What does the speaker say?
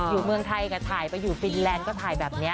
เมืองไทยก็ถ่ายไปอยู่ฟินแลนด์ก็ถ่ายแบบนี้